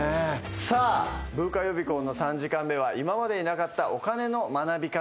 さあブーカ予備校の３時間目は今までになかったお金の学び方です。